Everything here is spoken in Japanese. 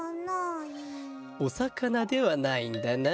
おさかなではないんだな。